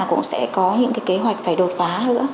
cũng sẽ có những cái kế hoạch phải đột phá nữa